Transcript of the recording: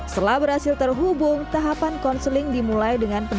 setelah berhasil terhubung tahapan konseling dimulai dengan penipuan